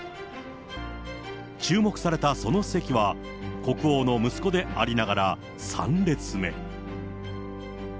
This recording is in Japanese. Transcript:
注目されたその席は、国王の息子でありながら、３列目。